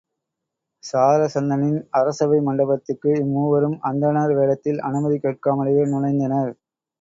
சராசந்தனின் அரசவை மண்டபத்துக்கு இம் மூவரும் அந்தணர் வேடத்தில் அனுமதி கேட்காமலேயே நுழைந்தனர்.